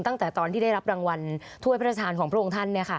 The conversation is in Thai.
ตั้งแต่ตอนที่ได้รับรางวัลถ้วยพระราชทานของพระองค์ท่าน